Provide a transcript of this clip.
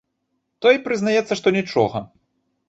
Той прызнаецца, што нічога.